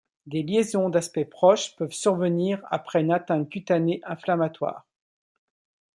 Des lésions d'aspect proche peuvent survenir après une atteinte cutanée inflammatoire.